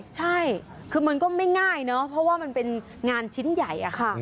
ใช่คือมันก็ไม่ง่ายเนอะเพราะว่ามันเป็นงานชิ้นใหญ่อะค่ะ